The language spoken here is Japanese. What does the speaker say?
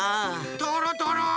とろとろ！